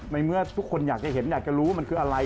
ในเมื่อทุกคนอยากจะเห็นอยากจะรู้ว่ามันคืออะไร